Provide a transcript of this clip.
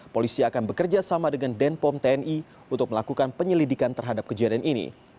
polisi akan bekerja sama dengan denpom tni untuk melakukan penyelidikan terhadap kejadian ini